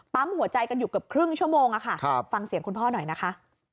หัวใจกันอยู่เกือบครึ่งชั่วโมงค่ะฟังเสียงคุณพ่อหน่อยนะคะ